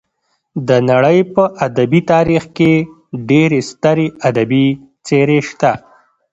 د نړۍ په ادبي تاریخ کې ډېرې سترې ادبي څېرې شته.